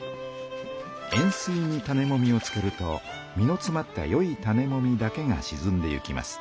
塩水に種もみをつけると実のつまった良い種もみだけがしずんでいきます。